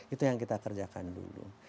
itu yang kita kerjakan dulu